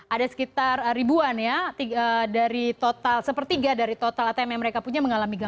ada sekitar ribuan ya dari total sepertiga dari total atm yang mereka punya mengalami gangguan